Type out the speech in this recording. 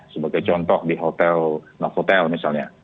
sebagai contoh di hotel nah hotel misalnya